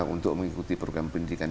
untuk mengikuti program pendidikan